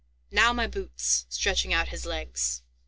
Now my boots," stretching out his legs.